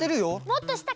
もっとした？